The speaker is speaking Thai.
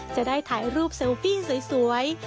จะได้ถ่ายรูปเซลปิ้งสวย